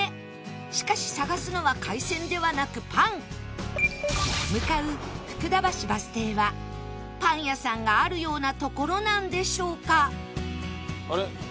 しかし探すのは海鮮ではなくパン向かう福田橋バス停はパン屋さんがあるような所なんでしょうか？